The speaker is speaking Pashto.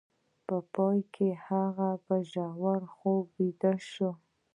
په پای کې هغه په ژور خوب ویده شو